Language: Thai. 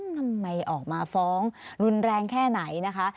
ทำไมออกมาฟ้องรุนแรงแค่ไหนนะคะ